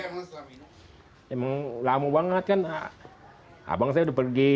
memang lama banget kan abang saya sudah pergi